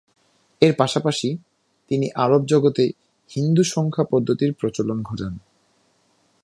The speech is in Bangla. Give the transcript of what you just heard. এর পাশাপাশি, তিনি আরব জগতে হিন্দু সংখ্যা পদ্ধতির প্রচলন ঘটান।